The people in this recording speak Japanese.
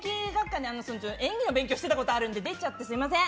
演技の勉強していたことあって出ちゃってすみません！